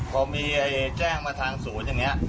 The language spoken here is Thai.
พอมีแจ้งมาทางศูนย์อย่างนี้